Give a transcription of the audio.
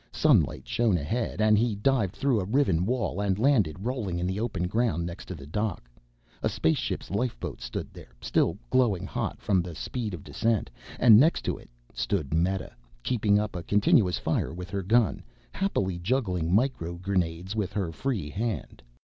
Sunlight shone ahead and he dived through a riven wall and landed, rolling in the open ground next to the dock. A spaceship's lifeboat stood there, still glowing hot from the speed of descent, and next to it stood Meta keeping up a continuous fire with her gun, happily juggling micro grenades with her free hand.